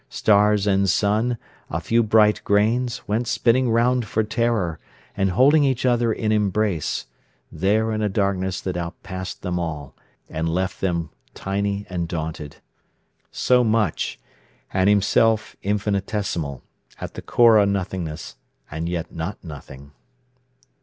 Stars and sun, a few bright grains, went spinning round for terror, and holding each other in embrace, there in a darkness that outpassed them all, and left them tiny and daunted. So much, and himself, infinitesimal, at the core a nothingness, and yet not nothing.